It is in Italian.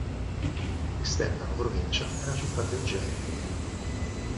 Esterna alla provincia è la città di Algeri.